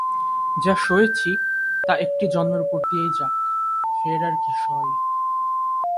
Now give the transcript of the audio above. যা সয়েছি তা একটা জন্মের উপর দিয়েই যাক, ফের আর কি সয়?